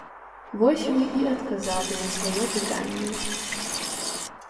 Вось вы і адказалі на сваё пытанне.